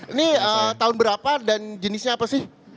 ini tahun berapa dan jenisnya apa sih